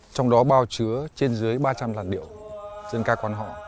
trong đó bao chứa trên dưới ba trăm linh làn điệu dân ca quan họ